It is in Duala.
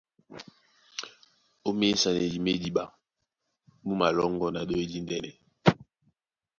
Ó měsanedi má idiɓa. Mú malɔ́ŋgɔ́ na ɗôy díndɛ̄nɛ.